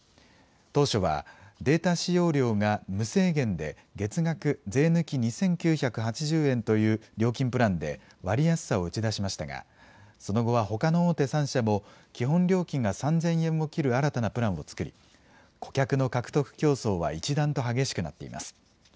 当初はデータ使用量が無制限で月額税抜き２９８０円という料金プランで割安さを打ち出しましたが、その後はほかの大手３社も、基本料金が３０００円を切る新たなプランを作り、顧客の獲得競争は一段と激しくなっています。